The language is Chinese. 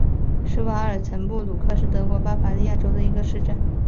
施瓦尔岑布鲁克是德国巴伐利亚州的一个市镇。